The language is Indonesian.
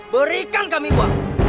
berikan kami uang